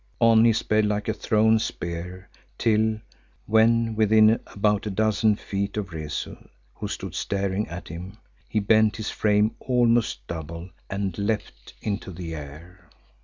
On he sped like a thrown spear, till, when within about a dozen feet of Rezu who stood staring at him, he bent his frame almost double and leapt into the air.